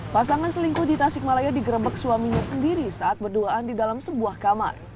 pasangan selingkuh di tasikmalaya digerebek suaminya sendiri saat berduaan di dalam sebuah kamar